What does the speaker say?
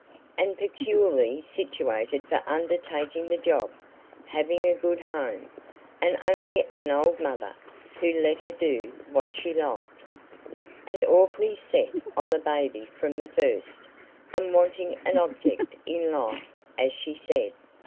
"And peculiarly situated for undertaking the job, having a good home, and only an old mother, who let her do what she liked. And awfully set on the baby from the first, and wanting an object in life, as she said.